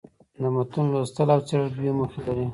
د متون لوستل او څېړل دوې موخي لري.